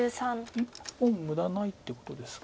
１本無駄ないってことですか。